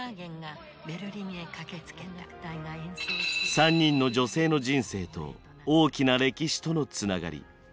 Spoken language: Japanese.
３人の女性の人生と大きな歴史とのつながり。